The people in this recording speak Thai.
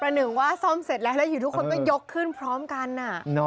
หนึ่งว่าซ่อมเสร็จแล้วแล้วอยู่ทุกคนก็ยกขึ้นพร้อมกัน